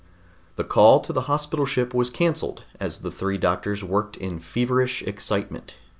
The call to the Hospital Ship was canceled as the three doctors worked in feverish excitement.